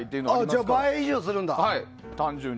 じゃあ倍以上するんだ。